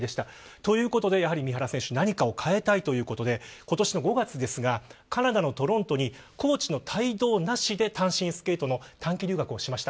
ということで、三原選手何かを変えたいということで今年の５月カナダのトロントにコーチの帯同なしで単身スケートの短期留学をしました。